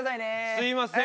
すみません。